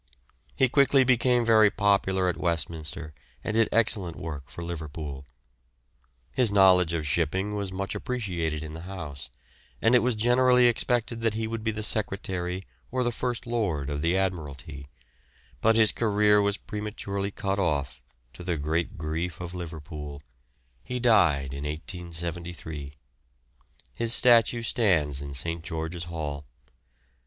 He quickly became very popular at Westminster and did excellent work for Liverpool. His knowledge of shipping was much appreciated in the House, and it was generally expected that he would be the Secretary or the First Lord of the Admiralty, but his career was prematurely cut off, to the great grief of Liverpool; he died in 1873. His statue stands in St. George's Hall.